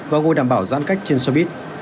và ngôi đảm bảo giãn cách trên showbiz